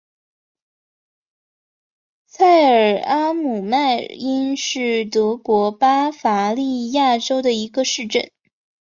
蔡尔阿姆迈因是德国巴伐利亚州的一个市镇。